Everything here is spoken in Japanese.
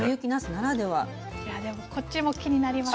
いやぁでもこっちも気になります。